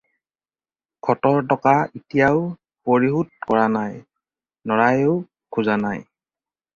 খতৰ টকা এতিয়াও পৰিশোধ কৰা নাই, নৰায়েও খোজা নাই।